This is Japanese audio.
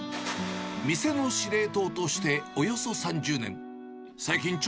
店の司令塔としておよそ３０年。